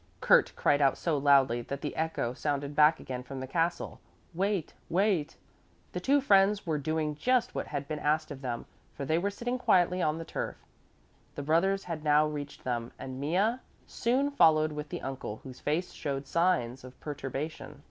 Kurt cried out so loudly that the echo sounded back again from the castle, "Wait, wait!" The two friends were doing just what had been asked of them, for they were sitting quietly on the turf. The brothers had now reached them, and Mea soon followed with the uncle, whose face showed signs of perturbation.